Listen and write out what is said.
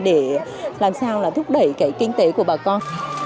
để làm sao là thúc đẩy cái kinh tế của bà con